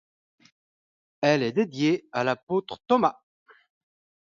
Elle est dédiée à l'apôtre Thomas.